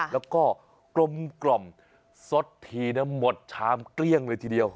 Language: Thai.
แล้วก็กลมสดทีนะหมดชามเกลี้ยงเลยทีเดียว